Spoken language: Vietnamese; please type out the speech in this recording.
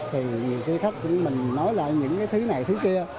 thì nhiều khi khách cũng mình nói lại những cái thứ này thứ kia